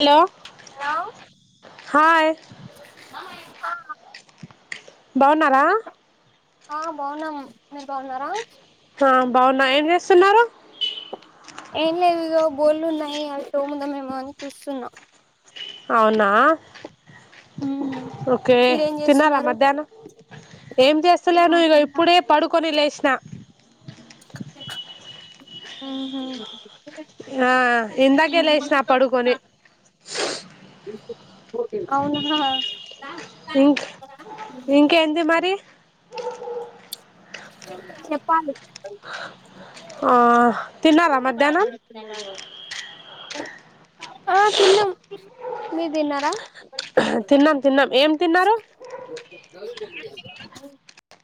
Hello hello hi బావున్నారా? ఆ బాగున్నాం. మీరు బాగున్నారా? హా బావున్నా. ఏం చేస్తున్నారు? ఏం లేదు. ఇదో బోర్లున్నాయి అవి తోముదామేమో అని చూస్తున్న. అవునా ఓకే. మీరేం తిన్నార చేస్తున్నారు మధ్యాహ్నం? ఏం చేస్తున్నారు? ఇగో ఇప్పుడే పడుకొని లేచిన. మ్ హు నా ఇందాకే లేసిన పడుకొని. అవునాహా ఇంక ఇంకేంది మరి? చెప్పాలి. ఆ తిన్నార మధ్యాహ్నం? ఆ తిన్నామ్. మీర్ తిన్నారా? తిన్నాం. తిన్నాం. ఏం తిన్నారు?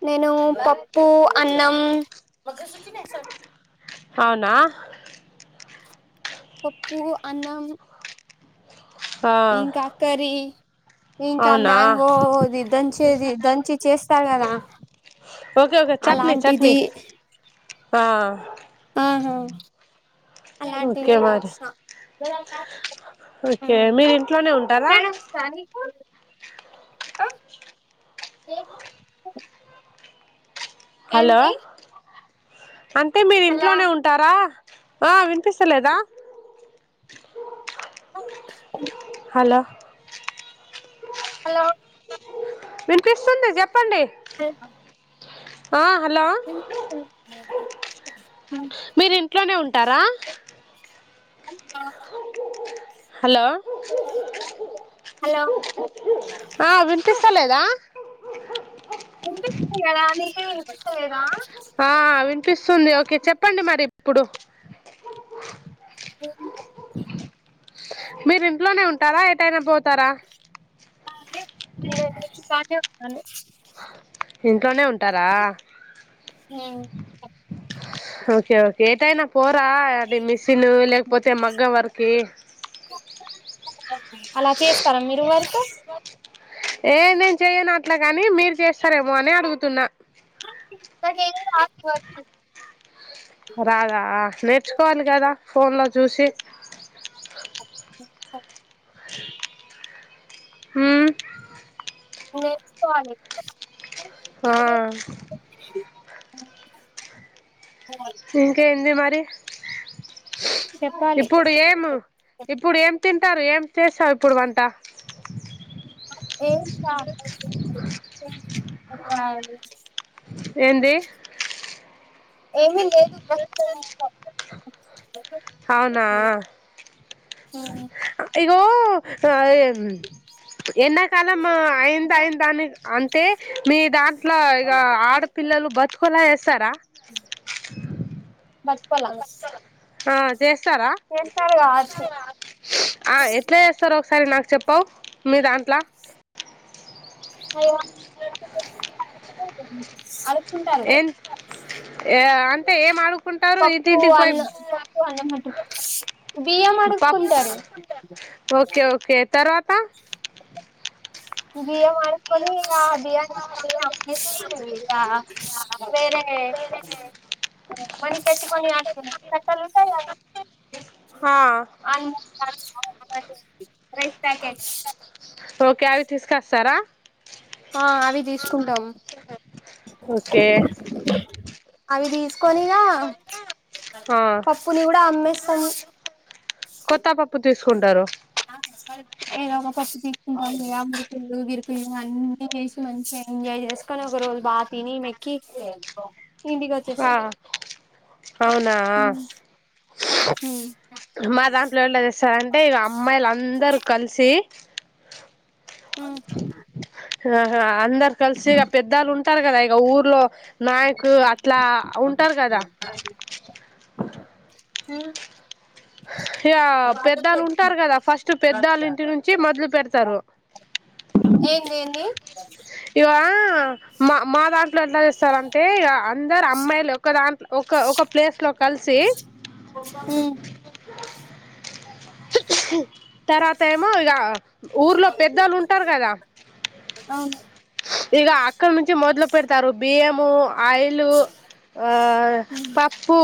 నేను పప్పు, అన్నం. అవునా! పప్పు, అన్నం ఆ ఇంకా కర్రీ, ఇంకా అవునా మ్యాంగోది దంచేది దంచి చేస్తారు కదా! ఓకే ఓకే చట్నీ చట్నీ అలాంటిది ఆ ఆహా అలాంటిదె ఓకే మరి చేసిన. ఓకే. మీరు ఇంట్లోనే ఉంటారా? అ హలో ఏంది అంటే మీరు ఇంట్లోనే ఉంటారా? ఆ వినిపిస్తలేదా? హలో హలో వినిపిస్తుంది చెప్పండి. స ఆ. హలో మీరు ఇంట్లోనే ఉంటారా. అ హలో హలో ఆ వినిపిస్తే లేద్. దా. అనిపిస్తుంది కదా అని. ఆ వినిపిస్తుంది ఓకే చెప్పండి మరి ఇప్పుడు. ఏం లే. మీరు ఇంట్లోనే ఉంటారా ఏటైనా పో. లేదంటే పార్ట్ టైం వెళ్తాను. ఇంట్లోనే ఉంటు. ఉమ్. ఓకే ఓకే ఏటాయినా. పోరా అది మిసిన్ లేకపోతే మగ్గం వరుకి. అలా చేస్తారా మీరు వర్క్ ఏ నేను చేయ నా. అట్లాగాని మీరు చేస్తారేమో అని అడుగుతున్నా. నాకేం రాదు వర్క్ అండి. రాదా నేర్చుకోవాలి కదా ఫోన్ లో చూసి. అ. హ్మ్. నేర్చుకోవాలి. ఆ. అఓ ఇంకేంది మరి చెప్పాలి ఇప్పుడు ఏము ఇప్పుడు ఏం. తింటారు ఏం చేసావు ఇప్పుడు వంట. ఏ. ఏంది. ఏమీ లేదు ప్రస్తుతం ఇంట్లో. అవునా ఇగో. ఎన్న. అయింది అయిందిని అంటే మీ దాంట్లో ఇక ఆడపిల్లలు బతు. కొలా ఎసార. పప్పలా. ఆ చేస్తారా. ఆ ఎట్లా చేస్తారో ఒకసారి నాకు‌. చెప్పవు మీ దాంట్లా. స అ. ఏన్ ఏ. పప్పు అన్న పప్పు అన్న మాటం బియ పప్ మకుంట. సరు. ఓకే ఓకే తరువాత. ఈ బియం అడుక్కొని ఆ బియని. ఇది అమ్మేసి గా వేరే. మనీ పెట్టుకొని ఆ కట్టటానా. ఆ [inaudible] రైస్ ప్యాకెట్. ఓకే అవి తీసుకొస్తారా. ఆ అవి తీసుకుంటాం ఓకే అవి తీసు. కొనినా ఆ పపూ ని కూడా అమ్మే సం కొత్త [unintelligible] ఏదో మా పప్పు తీసుకుంటాంద ముకుళ్ళు గిరుకులు అన్ని చేసి మంచిగా ఎంజాయ్ చేసుకని ఒక రోజు బాగా తిని మెక్కి ఇంటికి ఆ వచ్చేస్తా అవునా హ్మ్ మా దాంట్లో ఎళ్ళ చేస్తార అంటే అమ్మాయిలు అందరు కలిసి ఆ ఆ అందరు కలిసిక పెద్దళ్ళు ఉంటారు కదా ఇక ఊర్లో నాయకులు ఇట్లా ఉంటారు కదా ఏ ఇ పెద్దళ్ళు ఉంటారు కదా ఫస్ట్ పెద్దళ్ ఇంటి నుంచి మొదలు పెడతారు ఏన్ ఏన్ది ఇవ మా మాదడు ఇట్లో ఎట్లా చేస్తారంటే అందరు అమ్మాయిలు ఒక దాంట్లో ఒక ఒక ప్లేస్ లో కలిసి హ తరా త ఏమ ఇగా ఊర్లో పెద్దళ్ళు ఉంటారు కదా [unintelligible] ఇక అక్కడి నుంచి మొదలు పెడతారు బియ్యము ఆయిలు పప్పు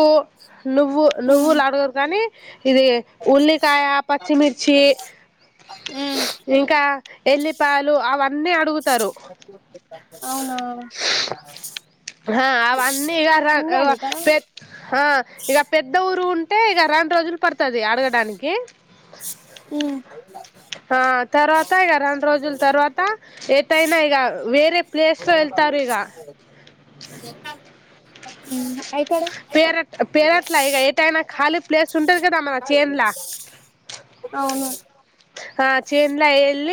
నువ్వు హ్మ్ నువ్వులుడగదు కానీ ఇది ఉల్లికాయ పచ్చిమిర్చి హ్మ్ ఇంకా ఎల్లిపాలు అవన్నీ అడుగుతారు అవునా ఆ అవన్నీ అన్ని ఇక అడుగుతారా పె ఇక పెద్ద ఊరు ఉంటే అంటే ఇక రెండు రోజులు పడుతది అడగడానికి ఆ తర్వాత ఇగా రెండ రోజుల తర్వాత యినా ఇగ వేరే ప్లేస్లో వెళ్తారు ఇక [unintelligible] అయికాడా పేరట్ పేరట్లా ఇగ ఏటైనా ఖాళీ ప్లేస్ ఉంటది కదా మన చేన్లా అవును ఆ చన్ల ఎళ్ళ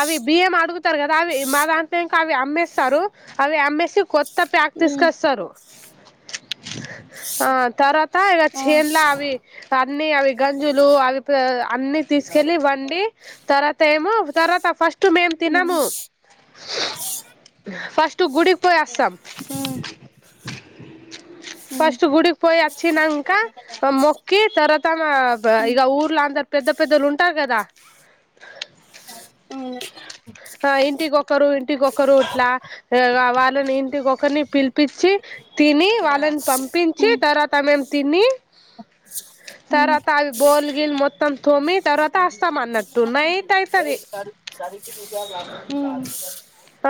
అవి బియ మగుతారు కదా అవి మాద అంత అవి అమ్మేస్తారు అవి అమ్మేసి కొత్త ప్యాక్ హ్మ్ తీసుకొస్తారు ఆ తర్వాత ఇక ఆ చేన్ల అవి అన్ని అవి గంజులు అవి అన్ని తీసుకెళ్ళి వండి తర్వాత ఏమో తర్వాత ఫస్ట్ ఫస్ట్ మెము హ్మ్ థినము ఆ టటు గుడికి పొయస్తం ఫస్ట్ గుడికి పోయి వచ్చినంక మొక్కి తర్వాత మా ఇ ఊర్ల అంత పెద్ద పెద్ద పెద్దలు ఉంటారు కదా అ ఆ ఇంటికొకరు ఇంటికొకరు ఇట్లా వాళ్ళని ఇంటికొకరిని పిలిపించి తిని వాళ్ళని పంపించి తర్వాత మేం తిని తర్వాత అవి బోల్ గ మొత్తం తోమి తర్వాత సామాన్ట నయిట్ అయితంది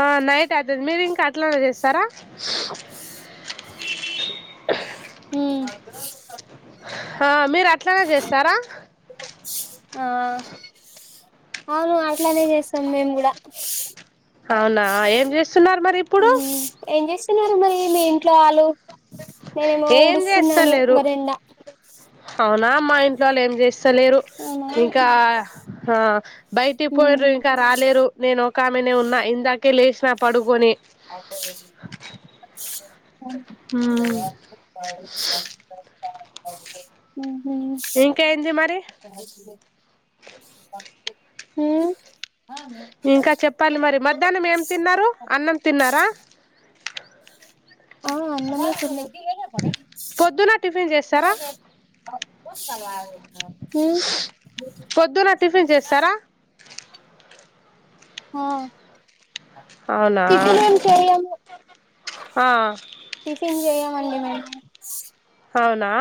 ఆ నైట్ అవుతుది మీరు ఇంకా అట్లానే చేస్తారా ఉమ్ ఆ మీరు అట్లనే చేస్తారా ఆ అవును అట్లానే చేస్తాం మేము కూడా అవునా ఏం చేస్తున్నారు మరి ఇప్పుడు స్తున్నారు మరి మీ ఇంట్లో వాళ్ళ నేనేమో ఏం ఊడుస్తున్నాను చేస్తలేరు మరిండా అవునా మా ఇంట్లో ఏం చే వలేరు అవునా ఇంకా బయటికి పోయరు ఇంకా రాలేరు నేను మెనే ఉన్నా ఇందాకే లేచినా పడుకొని అ హ్మ్ ఇంకేంది మరి హ ఇంకా చెప్పాలి మరి మధ్యాహ్నం ఏం తిన్నారు అన్నం తిన్నారా ఆ అ మ పొద్దున టిఫిన్ మన చేస్తారా సవా పొద్దున్న టిఫిన్ చేస్తారా హ అవునా ఇదిరము ఆ టిఫిన్ చేయమండి మేము అవునా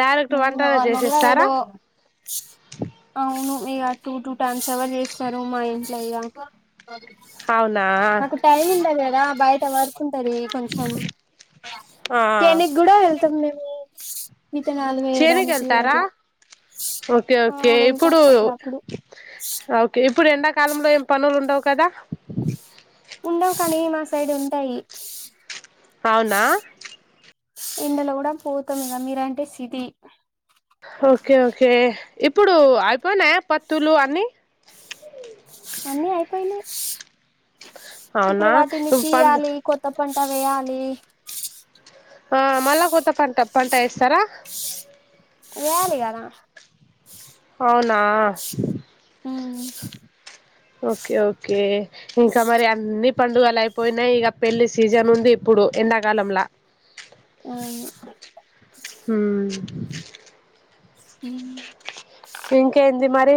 డైరెక్ట్ వంటనే నల చేసేస్తారా ఏదో అవును ఇక టూ టూ టైమ్స్ ఎవరు చేస్తారు మా ఇంట్లో ఇ అవునా నాకు టైం ఉంద కదా బయట వరకు ఉంటంది కొంచం ఆ దేనికినికి కూడా వెళ్తాం మేము ఇత నలభై చేనికి ఏడానికి వెళ్తారా అట్లా ఓకే ఆ ఓకే వెళ్తాం ఇప్పుడు అప్పుడప్పుడు ఓకేప్పు ఇప్పుడు ఎండాకాలంలో ఏం పనులు ఉండవు కదా ఉండవు కానీ మా సైడ్ ఉంటాయి అవునా ఇండలో కూడా పోతాం ఇద మీరంటే సితి ఓకే ఓకే ఇప్పుడు అయిపోయినాయా పత్తులు అన్న అ అయిపోయి ఇప్పుడు అవునా వాటిని పండు తీలి కొ ద వేయాలి ఆ మళ్ళా కొత్త పంట పంట ఇస్తారా వేయాలి కదా అవునా హ ఓకే ఓకే ఇంకా మరి అన్ని పండుగలు అయిపోయినాయి ఇక పెళ్లి సీజన్ ఉంది ఇప్పుడు ప్పుడు ఎంతకాలంలా అవును అ హ ఇంకా ఎంది మరి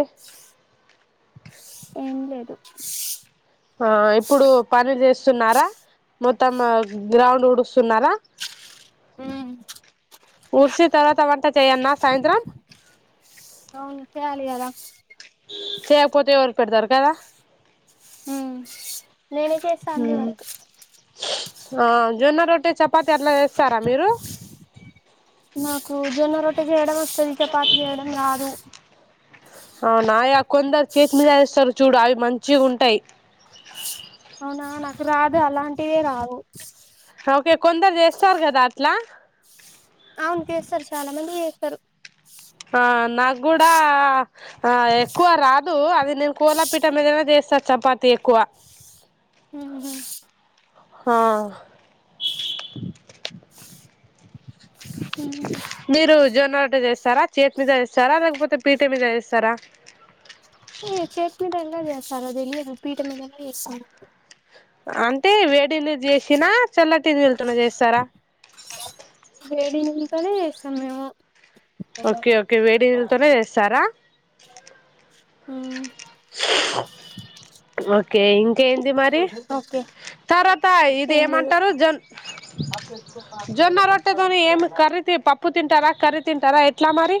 ఏం లేదు ఆ ఇప్పుడు పని చేస్తున్నారా మొత్తం గ్రౌండ్ ఊడుస్తున్నారా ఉ ఊరిస తర్వాత వంట చేయన్న సాయంత్రం అవును చేయాలి కదా చేకపోతే ఎవరు పెడతారు కదా హ నేనుతేస్తాంని హ్మ్ వర్క్ ఆ జొన్న రొట్టటి చపాతి అట్లా వేస్తారా మీరు మాకు జొన్న రొట్ట చేయడం వస్తుది చపాతి చేయడం రాదు అవునాయా కొందరు చేతినిదారస్తారు చూడు అవి మంచి ఉంటాయి అవునా నాకు రాదు అలాంటివే రావు ఓకే కొందరు చేస్తారు కదా అట్లా అవును చేస్తారు చాలా మంది చేస్తారు ఆ నాకు కూడా ఆ ఎక్కువ రాదు అది నేను కొలపీట మీద చేస్త సార్ చపాతీ ఎక్కువ ఉహూ ఆ ఉమ్ మీరు జొన్న రొట్టె చేస్తారా చేతి మీద చేస్తారా లేకపోతే పీఠె మీద చేస్తారా అ చేసుకుంటే ఎందులో చేస్తారు తెలియదు పీఠ మీదనే చేస్త అంటే వేడిని నీటి చేసినా చల్లటి నీళ్ళతోని చేస్తారా తడే చేస్తాము మేము ఓకే ఓకే వేడిళ్లతోనే చేస్తారా ఉమ్ ఓకే ఓకే ఇంకేంది మరి ఓకే తర్వాత ఇది ఏం లేదు ఏమంటారు జోన్ జొన్న రొట్టే తోని ఏం కర్రి పప్పు తింటారా కర్రి తి తింటారా ఎట్లా మరి